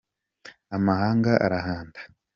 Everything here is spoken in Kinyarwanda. amahanga arahanda.